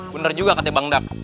bener juga kakek bangdak